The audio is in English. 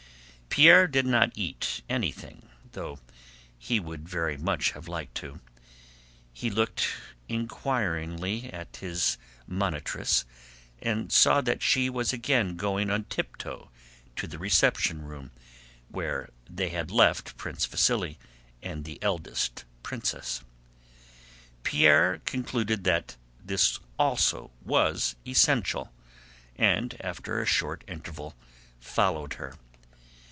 Pierre did not eat anything though he would very much have liked to. He looked inquiringly at his monitress and saw that she was again going on tiptoe to the reception room where they had left Prince Vasíli and the eldest princess. Pierre concluded that this also was essential, and after a short interval followed her.